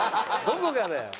どこがよ。